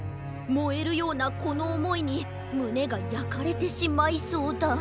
もえるようなこのおもいにむねがやかれてしまいそうだ。